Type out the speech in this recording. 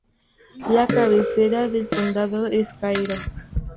La cabecera del condado es Cairo.